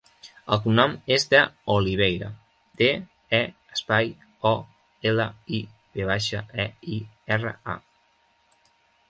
El cognom és De Oliveira: de, e, espai, o, ela, i, ve baixa, e, i, erra, a.